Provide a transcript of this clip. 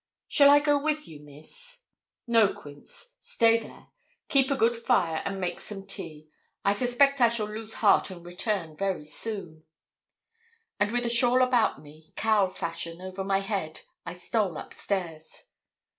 'Shall I go with you, Miss?' 'No, Quince; stay there; keep a good fire, and make some tea. I suspect I shall lose heart and return very soon;' and with a shawl about me, cowl fashion, over my head, I stole up stairs.